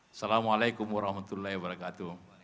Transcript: assalamu'alaikum warahmatullahi wabarakatuh